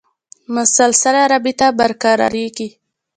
مسلسله رابطه برقرارېږي.